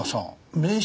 名刺？